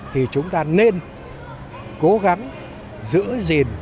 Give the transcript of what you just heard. thì chúng ta nên cố gắng giữ gìn